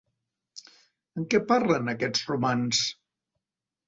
En què parlen, aquests romans?.